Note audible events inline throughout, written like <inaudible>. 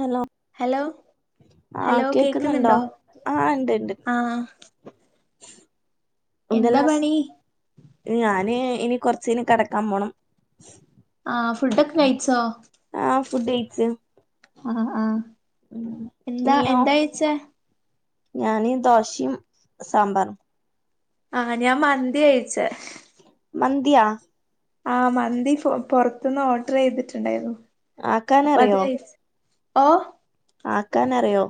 Hello hello hello കേക്കുന്നുണ്ടോ ആഹ <inaudible> ഉണ്ടല്ലോ അസ് പണി ഞാന് ഇനി കൊറച്ചിന കിടക്കാൻ പോണം ആഹ ഫുഡൊക്കെ കഴിച്ചോ ആഹ് ഫുഡ് കഴിച്ച് ആഹ ആഹ ഉം. എന്താ നീയോ എന്തകഴിച്ചോ ഞാന് ദോശയും സാമ്പാറും ആഹ് ഞാൻ മന്തി കഴിച്ചേ മന്തിയാ ആഹ് മന്തി പുറത്തുന്ന് ഓർഡർ ചെയ്തിട്ടുണ്ടായിരുന്നു ആക്കാനറിയോ ഓഹ് ആക്കാനറിയോ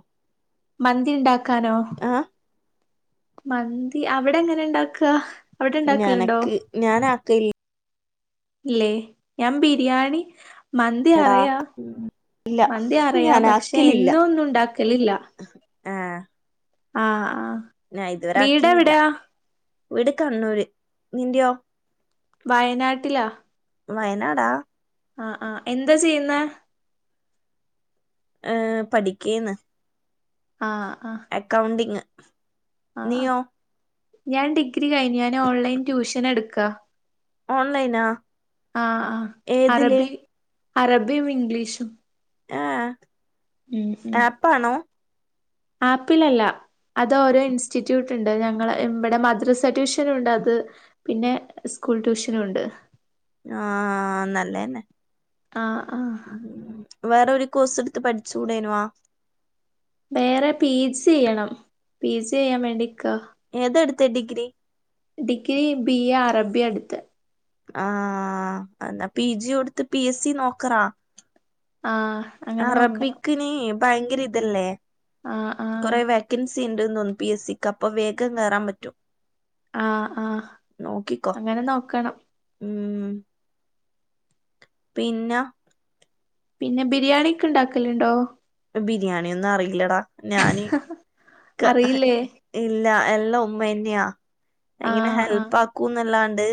മന്തി ഇണ്ടാക്കാ ക്കാനോ ആഹ് മന്തി അവിടെ എങ്ങനെ ഉണ്ടാക്കുക ഞനക്ക് ഞാൻ ആക്കയില്ല ഇല്ലേ ഞാൻ ബിരിയാണി മന്തി അറയാ ഉം. ഇല്ല മന്തി അറയാ പക്ഷെ ഞാനാക്കലില്ല എന്നും ഒന്നും ഉണ്ടാക്കലില്ല ആഹ് ആഹ് ഞാന് ഇതുവരെ ആക്കീന്നില്ല വീടെവിടെയാ വീട് കണ്ണൂര് നീന്റയോ വയനാട്ടിലാ വയനാടാ ആഹ് ആഹ് എന്താ ചെയ്യുന്നെ ഏഹ് പഠിക്കയാണ് ആഹ് ആഹ് അക്കൗണ്ടിങ് ആഹ് നീയോ ഞാൻ ഡിഗ്രി കഴിഞ്ഞു ഞാൻ ഓൺലൈൻ ട്യൂഷൻ എടുക്കാ ഓൺലൈനാ ആഹ് ആഹ് ഏതില് അറബി അറബിയും ഇംഗ്ലീഷും ആഹ് ആപ്പാണോ ആപ്പിൽ അല്ല അത് ഓരോ ഇൻസ്റ്റിറ്റ്യൂട്ട് ഉണ്ട് ഞങ്ങ ഇവിടെ മദ്രസ ട്യൂഷനും ഉണ്ട് അത് പിന്നെ സ്കൂൾ ട്യൂഷനും ഉണ്ട് ആഹ് നല്ലന്നെ ആഹ് ആഹ് വേറൊരു കോഴ്‌സെടുത്ത് പഠിച്ചൂടേനുവാ വേറെ പി ജി ചെയ്യണം പി ജി ചെയ്യാൻ വേണ്ടിക്ക ഏതാ എടുത്തെ ഡിഗ്രി ഡിഗ്രി ബി എ അറബിയാ എടുത്തെ ആ എന്നാ പി ജി എടുത്ത് പി എസ് സി നോക്കറാ ആ അറബിക്കിന് ഭയങ്കര ഇതല്ലേ ആഹ് ആഹ് കൊറേ വേക്കൻസ് സിണ്ട്ന്ന്തോന്നുന്നു പി എസ് സിക്ക് അപ്പം വേഗം കയറാൻ പറ്റും ആ ആ നോക്കിക്കോ അങ്ങനെ നോക്കണം ഉം പിന്നെ പിന്നെ ബിരിയാണിക്കെ ണ്ടാക്കലുണ്ടോ ബിരിയാണിയൊന്നും അറിയില്ലടാ ഞാനി ക്ക ഹ് അറിയില്ലേ ഇൽ ല്ല എല്ലാം ഉമ്മന്നെയാ എങ്ങനെ ആഹ് ആഹ് ഹെൽപ്പാക്കൂന്നല്ലാ ണ്ട്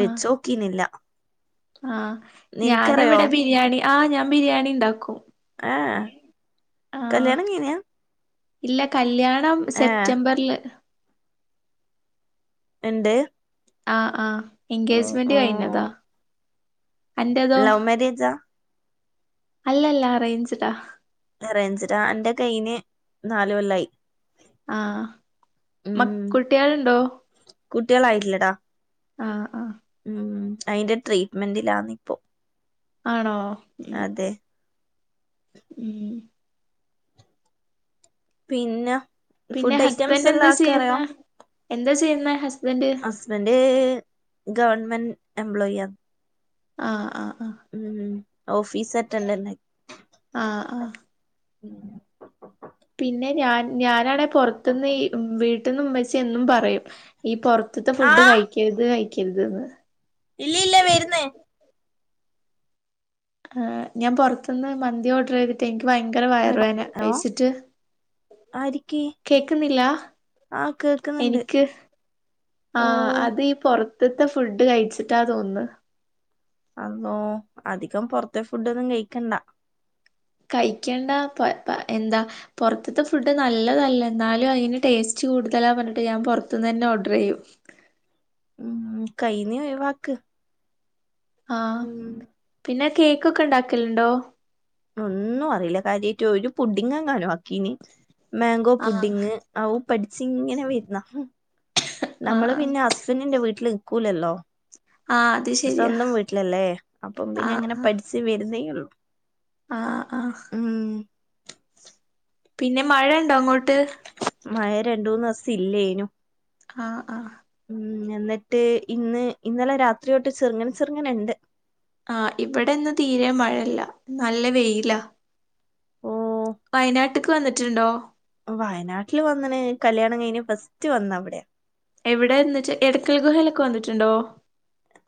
വെച്ചോക്കിനില്ല ആ ഞാനിവിടെ ബിരിയാണി ആ ഞാൻ ബിരിയാണിണ്ടാക്കും ഏഹ് ആ കല്യാണം കഴിഞ്ഞാ ഇല്ല കല്യാണം ഏഹ് സെപ്റ്റംബറില് എണ്ട് ആ ആ എൻഗേജ്മെന്റ് ഉം കഴിഞ്ഞതാ അന്റതോ ലവ് മാര്യേജാ അല്ലല്ല അറേഞ്ച്ടാ അറേഞ്ച്ടാ എന്റെ കഴിഞ് നാല് കൊല്ലായി ആ മ ഉം കുട്ടികളുണ്ടോ കുട്ടികളായിട്ടില്ലടാ ആ ആ ഉം അയിന്റെ ട്രീറ്റ്മെന്റിലാന്നിപ്പോ ആണോ ഉം അതെ ഉം പിന്നെ പിന്നെ ഫുഡ് ഐറ്റംസ് ഹസ്ബൻഡ് എന്താ എല്ലാം അക്കറിയോ ചെയ്യുന്നെ എന്താ ചെയ്യുന്നെ ഹസ് ഹസ്ബൻഡ് ഗവൺമെ ന്റ് എംബ്ലോയിയാന്ന് ആ ആ ഉം ഓഫീസ് അറ്റെൻഡൻഡ് ആഹ് ആഹ് <unintelligible> ഞാനാണേ പൊർത്ത്ന്ന് ഈ വീട്ടിന്ന് ഉമ്മച് ച്ചി എന്നും പറയും ഈ പൊർത്ത്ത്തെ ഫുഡ് ആഹ് കഴിക്കര്ത് കഴി ക്കര്ത് ന്ന് ഇല്ല ഇല്ലേ വരുന്നേ ആ ഞാൻ പുറത്തുന്ന് മന്തി ഓർഡർ ചെയ്തിട്ട ഭയങ്കര വയറുവേന ഹലോ കഴിച്ചിട്ട് ആരിക്ക് കേക്കുന്നില്ല ആഹ് കേക്കുന്നുണ്ട് എനിക്ക് ആ ഓഹ് അതീ പുറത്ത് വെളിയിലത്തെ ഫുഡ് കഴിച്ചിട്ടാന്ന് തോന്നുന്ന് അതോ അധികം പൊറത്തെ ഫുഡ് ഒന്നും കഴിക്കണ്ട കഴിക്കണ്ട, പ പ എന്താ പൊറത്തത്തെ ഫുഡ് നല്ലതല്ല എന്നാലും അതിന് ടേസ്റ്റ് കൂടുതലാ പറഞ്ഞിട്ട് ഞാൻ പുറത്തുന്ന് തന്നെ ഓർഡർ ചെയ്യും. ഉം, കഴിയുനെ ഒഴിവാക്ക് ആ ഉം പിന്നെ കേക്കൊക്കെ ഉണ്ടാക്കലുണ്ടോ ഒന്നും അറിയില്ല കാര്യമായിട് ഒരു പുഡിങ്ങെങ്ങാനും <inaudible> മാങ്കോ ആഹ് പുഡിങ് അതും പഠിച്ചിങ്ങനെ വരുന്ന് ആഹ് നമ്മള് ആഹ് പിന്നെ ഹസ്ബൻറിന്റെ വീട്ടില് നിക്കൂലല്ലോ ആഹ് അത് ശെരിയാ സ്വന്തം വീട്ടിലല്ലേ, അപ്പം പിന്നെ അങ്ങനെ പഠിച്ച വരുന്നേഉള്ളു <unintelligible> ആ, ആ പിന്നെ മഴ ഉണ്ടോ അങ്ങോട്ട് ട്ട് രണ്ട മൂന്ന് ദിവസം ഇല്ലേനു ആ, ആ ഉം, എന്നിട്ട് ഇന്ന് ഇന്നലെ രാത്രി തൊട്ട് ചെറുങ്ങനെ ചെറുങ്ങനുണ്ട് ആ, ഇവിടെ ഇന്ന് തീരെ മഴയില്ല നല്ല വെയിലാ ഓ ട്ക്ക് വന്നിട്ടുണ്ടോ വയനാട്ടില് വന്നണ്, കല്യാണം കഴിഞ്ഞ ഫസ്റ്റ് വന്ന അവിടെയാ റ്റ്ഉണ്ടോ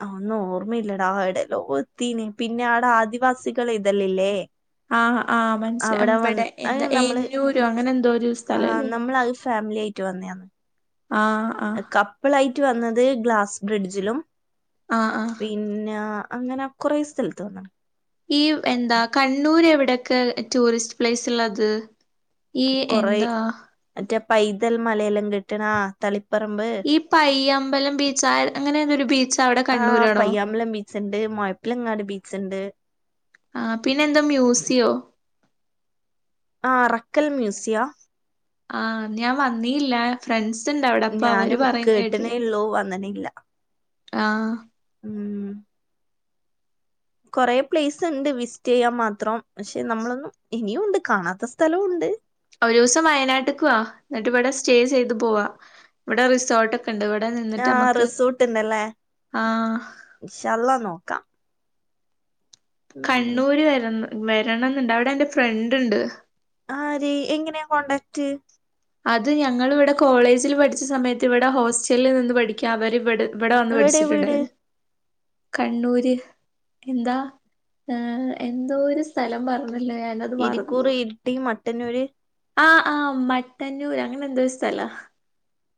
ഒന്നും ഓർമ്മയില്ലടാ, എവിടെല്ലോം എത്തീന് പിന്നെ അവിടെ ആദിവാസികളെ ഇത് ഇല്ലേ ആ, ആ, മനസ്സില ഇവിടെ അത് എന്താ നമ്മള് എല്ലുരോ അങ്ങനെ എന്തോ ഒരു സ്ഥലം ഇല്ലേ വന്നയാണ് ആ, ആ റ്റ് വന്നത് ഗ്ലാസ് ബ്രിഡ്ജിലും ആഹ് ആഹ് പിന്നആ അങ്ങനെ കുറെേ സ്ഥലത്ത് വന്നണ് ഈ എന്താ കണ്ണൂര് എവിടെ ക്കെ ടൂറിസ്റ്റ് പ്ലേസ് ഉള്ളത് ഈ കൊറേ എന്താ മറ്റേ പൈൻ മലയെല്ലാം കിട്ടണാ തളിപ്പ ഈ പയ്യമ്പലം ബീച്ച് ആ അങ്ങനെ നൊരു ബീച്ച് അവിടെ ആഹ് കണ്ണൂരാണോ? പയ്യാമ്പലം ബീച്ച്ണ്ട് മുഴപ്പിലങ്ങാട് ബീച്ച്ണ്ട് ആഹ് പിന്നെന്താ മ്യൂസിയോ? ആഹ് അറക്കൽ മ്യൂസിയ? ആഹ് ഞാൻ വന്നീല്ല ഫ്രണ്ട്സ് ഉണ്ട് അവിടെ അപ്പൊ അവര് ഞാനും പറയുന്ന കേട്ടിട്ടുണ്ട് കേട്ടനേള്ളോ വന്നിണ് ഇല്ല ആഹ് ഉം കൊറെ പ്ലേസ് ഇണ്ട് വിസിറ്റെയ്യാൻ മാത്രം പക്ഷെ നമ്മളൊന്നും ഇനിയും ഇണ്ട് കാണാത്ത സ്ഥലവും ഇണ്ട് ഒരോസം വയനാട്ട്ക്ക് വാ എന്നിട്ട് ഇവിടെ സ്റ്റേ ചെയ്ത് പോവാ ഇവിടെ റിസോർട്ട്ക്കെ ആഹ് റിസോർട്ട്ണ്ടല്ലേ ആഹ് ഇൻഷ അള്ളാഹ് നോക്കാം ഉം കണ്ണൂര് വര്ന്നു വരണം ന്ന്‌ണ്ട് അവിടെ എന്റെ ഫ്രണ്ട് ഇണ്ട് ആഹ് അതേ എങ്ങനെയാ കോണ്ടാക്ട്? അത് ഞങ്ങള് ഇവിടെ കോളേജിൽ പഠിച്ച സമയത്ത് ഇവിടെ ഹോസ്റ്റലിൽ നിന്ന് പഠിക്കാ അവർ ഇവിടെ ഇവിടെ വന്ന് എവിടെയാ വീട് പേടിച്ചിട്ട്ണ്ടായിരുന്നു കണ്ണൂര് എന്താ ഏഹ് എന്തോ ഒരു സ്ഥലം പറഞ്ഞു ഇരിക്കൂറ് ഇരുട്ടി മ ട്ടനൂര് ആഹ് ആഹ് മട്ടന്നൂര് അങ്ങനെ എന്തോരു സ്ഥലാ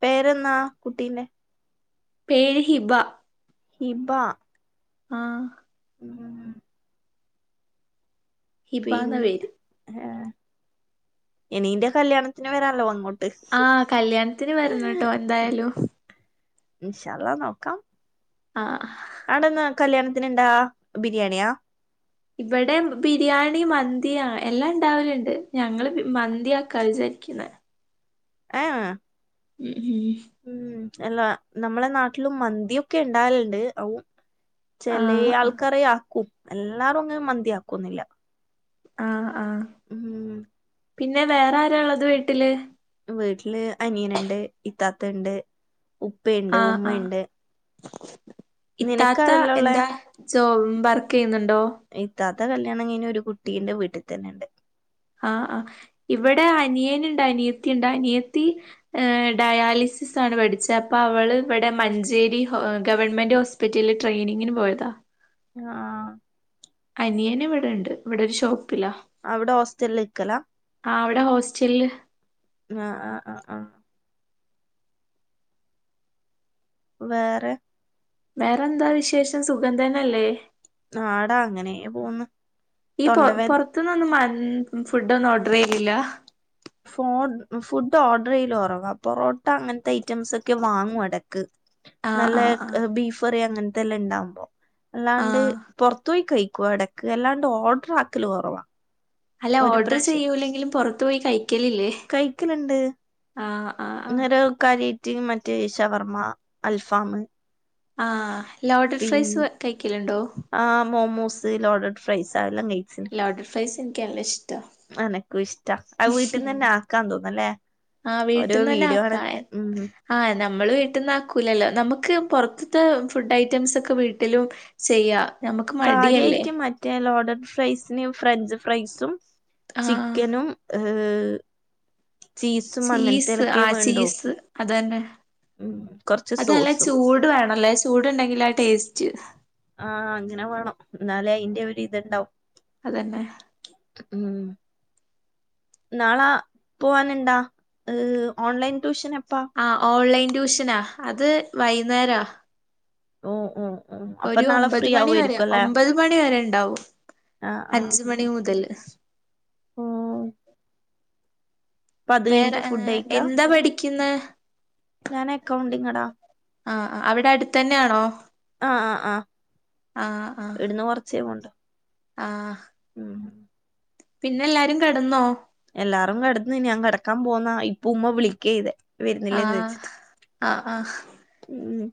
പേരെന്നാ കുട്ടീന്റെ പേര് ഹിബ ഹിബ ആഹ് ഉം ഹിബാന്ന പിന്ന്‌ പേര് ഹേ എനീന്റെ കല്യാണത്തിന് വരാല്ലോ അങ്ങോട് ആഹ് കല്യാണത്തിന് വരണം ട്ടോ എന്തായാലും ഇന്ഷാ അല്ലാഹ് നോക്കാം ആഹ് അടന്ന് കല്യാണത്തിന് എന്താ ബിരിയാണിയാ ഇവടെ ബിരിയാണി മന്തി എല്ലാം ഇണ്ടാവല്ണ്ട് ഞങ്ങള് മന്തി വെക്ക വിചാരിക്കുന്ന ആഹ് ഏഹ് ഊം അല്ല നമ്മളെ നാട്ടിലും മന്തി ഒക്കെ ഇണ്ടാൽണ്ട് അഉം ചെലേ ആഹ് ആഹ് ആൾക്കാരെ ആക്കും എല്ലാ റും അങ്ങന മന്തിയാകൊന്നില്ല ആഹ് ആ പിന്നെ വേറെ ആരാള്ളത് വീട്ടില്? വീട്ടില് അനിയനണ്ട് ഇത്താത്ത ഇണ്ട് ഉപ്പയുണ്ട് ആഹ് ആഹ് ഉമ്മയുണ്ട് ഇത്താത്ത നിനക്കാരല്ലോള്ളേ എന്താ സോ വർക്ക് ചെയ്യുന്നുണ്ട് ഇത്താത്ത കല്യാണം കഴിന്ന് ഒരു കുട്ടി ട്ടീന്റെ വീട്ടിതന്നെണ്ട് ആ ആ് ഇവിടെ അനിയനുണ്ട് അനിയത്തി ഉണ്ട് അനിയത്തി ഡയാലിസിസ് ആണ് പഠിച്ച അപ്പൊ അവള് ഇവിടെ മഞ്ചേരി ഗവൺമെന്റ് ഹോസ്പിറ്റലിൽ ട്രെയിനിങ്ങിന് പോയതാ ആഹ അനിയന് ഇവിടെ ഉണ്ട് ഇവിടെ ഒരു ഷോപ്പിലാ അവിടെ ഹോസ്റ്റലിൽ ഇക്കല ആ അവിടെ ഹോസ്റ്റലില് ആ ആഹ് ആഹ് ആ വേറെ വേറെന്താ വിശേഷം സുഗന്ധനല്ലേ നാടാ അങ്ങനെ പോന്ന് ഈ പൊ തൊണ്ടവേ പൊറത്തുന്നൊന്നും മ ഫുഡ് ഒന്നും ഓട്രു ചെയ്യില്ല ഫോ ഫുഡ് ഓട്രു ചെയൽ ഉറവാ പൊറോട്ട അങ്ങനത്തെ ഐറ്റംസ് വാങ്ങും ഇടയ്ക്ക് ആഹ് നല്ല ആഹ് ആഹ് ബീഫ് കറി അങ്ങ തെല്ലാം ണ്ടാമ്പോ അല്ലാണ്ട് ആഹ് പുറത്ത് പോയി കയി ക്കും ഇടക്ക്ല്ലാണ്ട് ഓഡ്രാക്കല് കൊറവാ അല്ല ഓഡ്ഡ്ർ ചെയ്യൂല്ലെങ്കിലും പുറത്ത് പോയി കഴിക്കലില്ലേ കഴിക്കലുണ്ട് ആ ആ ആ റ്റ് മറ്റേശവർമ്മ അൽഫാമ് ആ ലോഡഡ് ഫ്രൈസ് കഴിക്കലുണ്ടോ സ് ലോഡഡ്ഫ്രൈസ് ലോഡർ ഫ്രൈസ് ക്ക് ലേഷ് എനക്കും ഇഷ്ട ആ വീട്ടിന്ന് തന്നെ ആക്കാൻ തോന്നല്ലേ ആഹ് ഓരോ വീട്ടിൽന്ന് തന്നെ വീടോ ആണ ആക്കാ എ ഉം ആഹ് നമ്മള് വീട്ടന്ന ആാക്കൂലല്ലോ നമുക്ക് പൊറത്തത്തെ ഫുഡ് ഐറ്റംസ് ഒക്കെ വീട്ടിലും ചെയ്യാ നമുക്ക് മടിയല്ലേ കാര്യായിട്ട് മറ്റെ ലോഡർ ഫ്രൈസിന് ഫ്രഞ്ച് ഫ്രൈസും ആഹ് ചിക്കനും ഏഹ് ചീസും ചീസ് അങ്ങനത്തെലൊക്കെ ആ വേണ്ടൂ ചീസ് അത് തന്നെ ഉം കൊറച്ച് അതല്ല സോസും ചൂട് വേണല്ലേ? ചൂടുണ്ടെങ്കിൽ ആ ടേസ്റ്റ്. ആ അങ്ങനെ വേണം എന്നാലേ അയിന്റെ ഒരു ഇത്ണ്ടാവും. അതന്നെ. ഉം നാളാ പോവാനുണ്ടാ. ഇഹ് ഓൺലൈൻ ട്യൂഷന് ആ. ഓൺലൈൻ ട്യൂഷനാ. അത് വൈകുന്നേരാ ഓ ഓ. ഓ അപ്പൊ ഒരു നാളെ ഒമ്പത് ഫ്രീ മണി വരെ. ആവുമായിരിക്കും അല്ലേ ഒമ്പത് മണി വരെ ഉണ്ടാവും. ആ ആ അഞ്ച് ആ മണി മുതല് പത് വേറെ കഴിഞ്ട്ട ഫുഡ്കഴിക്ക. എന്താ പഠിക്കുന്നെ ഞാൻ അക്കൗണ്ടിങ്ങാടാ. ആ. അവിടെ അടുത്തന്നെയാണോ? ആ ആ ആ. ആ ആ ഇവട്ന്ന് കൊറച്ചേ പോവാണ്ട്. ആ. പിന്നെ എല്ലാരും കിടന്നോ? എല്ലാരും കെട്ന്ന്. ഞാൻ കിടക്കാൻ പോന്ന. ഇപ്പ ഉമ്മ വിളിക്കയ്തെ. ആ വരുന്നില്ലേന്ന് ചോദിച്ചിട്ട്. ആ ആ.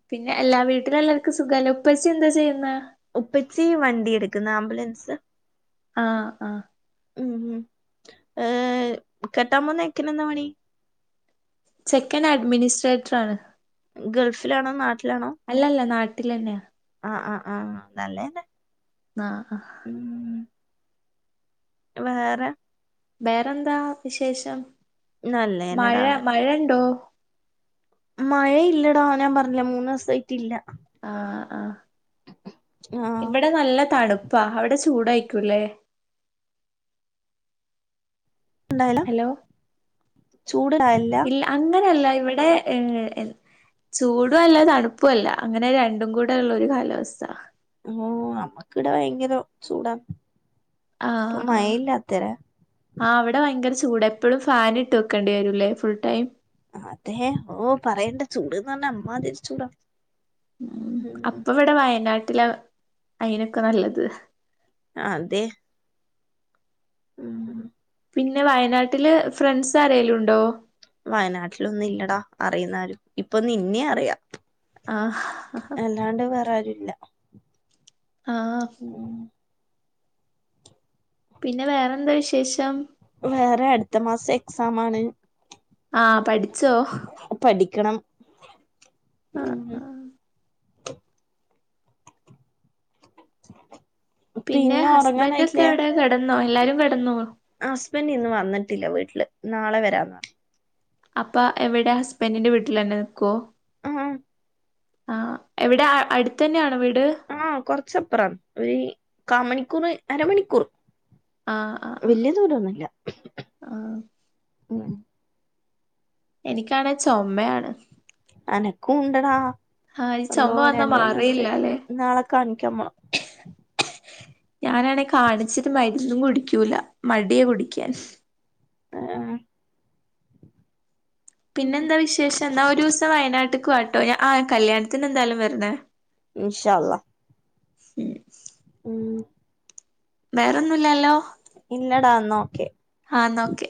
പിന്നെ എല്ലാ വീ ത്അവിടെ എല്ലാവർക്കും സുഖല്ലേ? ഉപ്പച്ചി എന്താ ചെയ്യുന്നേ? ഉപ്പച്ചി വണ്ടി എടുക്കുന്ന, ആംബുലൻസ്. ആ. ആ. ഓം ഏ കെട്ടാൻ പോകുന്ന ചെക്കനന്താ പണി? ചെക്കൻ അഡ്മിനിസ്ട്രേറ്റർ ആണ്. ഗൾഫിലാണോ? നാട്ടിലാണോ? തിലെനെ ആ. ആ. ആ. നല്ലേന്നെ. ആ ആ ഉം വേറെ വേറെന്താ വിശേഷം. മഴ. നല്ലതന്നെടാ മഴ ഉണ്ടോ? മഴ ഇല്ലടാ. ഞാൻ പറഞ്ഞില്ലേ. മൂന്നു ദിവസമായിട്ടില്ല. ആ ആ. ആഹ് ഇവിടെ നല്ല തണുപ്പാ. അവിടെ ചൂ ചൂടായിക്കൂല്ലേ? ന്താലും ഹലോ ചൂട്ണ്ടാവലില്ല. ഇല്ല അങ്ങനെയല്ല ഇവിടെ ഏ എ ചൂടുവല്ല തണുപ്പു അല്ല അങ്ങനെ രണ്ടും കൂടെ ഉള്ള ഒരു കാലാവസ്ഥ. ഓ നമ്മക്കിടെ ഭയങ്കര ചൂടാണ്. ആ ആ ആ അവിടെ ഭയങ്കര ചൂ തൂടെ എപ്പോഴും ഫാൻ ഇട്ട് വെക്കേണ്ടി വരുല്ലേ ഫുൾ ടൈം. അതെ ഓ പറയേണ്ട ചൂട്ന്ന് പറഞ്ഞ അമ്മാതിരിച്ചൂടാ. ഉം അപ്പൊ ഇവിടെ വയനാട്ട <unintelligible> അയിനൊക്കെ നല്ലത് ആ അതെ. ഉം പിന്നെ വയനാട്ടില് ഫ്രണ്ട്സ് ആരേലുണ്ടോ? വയനാട്ടിലൊന്നു ഇല്ലടാ അറിയുന്നാരും ഇപ്പൊ നിന്നെ അറിയാ. ആഹ് അല്ലാണ്ട് വേറാരു ഇല്ല ആഹ്ഹ പിന്നെ വേറെന്ത്‌ വിശേഷം. വേറെ അടുത്ത മാസം എക്സാം ആണ്. ആഹ പഠിച്ചോ. ക്കണം ഉം ആഹ് മ് ആഹ് <inaudible> പിന്നെ ഹസ്ബൻന്റെ കെട കെടന്നോ എല്ലാരും കെടന്നോ? ള് നാളെ വരാന്ന് അപ്പ എവിടെ ഹസ്ബൻഡിന്റെ വീട്ടില് തന്നെ നിക്കുവോ? ആഹ ആ എവിടെ അ അട്ത്ത് തന്നെയാണോ വീ ആഹ കൊറച്ചപ്പറം ഒയ് കാ മണിക്കൂറ് അരമണിക്കൂർ ആഹ് ആഹ് ആഹ് വലിയ ദൂരൊന്നുല്ലാ ആഹ് മ് എനിക്കാണേ ചൊമയാണ് അനക്കും ഉണ്ടടാ ആഹ് ഈ അള്ളോ ചുമ വന്നാ രണ്ടുന്ന് ദിവസായി മാറേയില്ലല്ലെ നാളെ കാണിക്കാമ് പോണം ഞാനാണെ കാണിച്ചിട്ട് മരുന്നും കുടിക്കൂല മടിയ കുടിക്കാൻ. ആഹ പിന്നെന്താ വിശേഷം ന്നാ ഒരു ദിവസം വയനാട്ട് ക്വട്ടോയ ആ കല്യാണത്തിന് എന്തായാലും വരന്നേ ഇമ്ഷ അള്ളാ മ് ഉം വേറൊന്നുല്ലല്ലോ ഇല്ലടാ ന്നാ ഓക്കേ ആഹ് എന്നാ ഓക്കെ